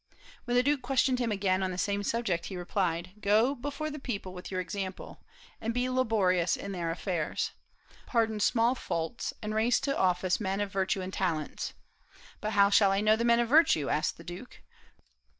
When the Duke questioned him again on the same subject, he replied: "Go before the people with your example, and be laborious in their affairs.... Pardon small faults, and raise to office men of virtue and talents." "But how shall I know the men of virtue?" asked the duke.